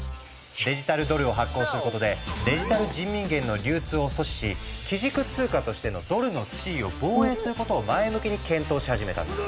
デジタルドルを発行することでデジタル人民元の流通を阻止し基軸通貨としてのドルの地位を防衛することを前向きに検討し始めたんだ。